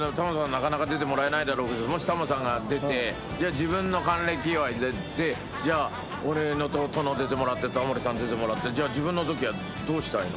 なかなか出てもらえないだろうけどもしタモさんが出てじゃあ自分の還暦祝いで俺殿出てもらってタモリさん出てもらって自分のときはどうしたいの？